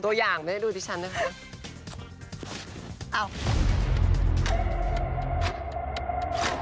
ตัวอย่างไม่ได้ดูที่ชั้นด้วยคะ